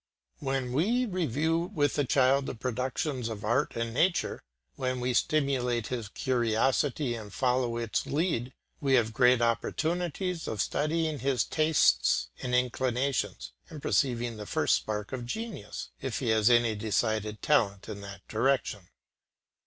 When we review with the child the productions of art and nature, when we stimulate his curiosity and follow its lead, we have great opportunities of studying his tastes and inclinations, and perceiving the first spark of genius, if he has any decided talent in any direction.